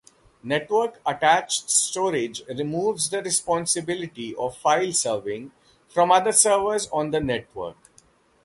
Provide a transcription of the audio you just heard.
Network-attached storage removes the responsibility of file serving from other servers on the network.